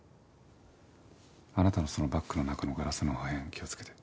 あなたのそのバッグの中のガラスの破片気をつけて。